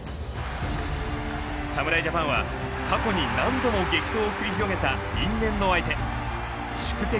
侍ジャパンは過去に何度も激闘を繰り広げた因縁の相手宿敵